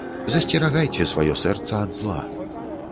Засцерагайце сваё сэрца ад зла.